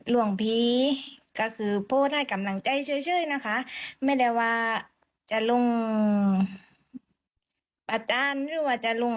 หลวงผีก็คือโพสต์ให้กำลังใจเฉยนะคะไม่ได้ว่าจะลงอาจารย์หรือว่าจะลง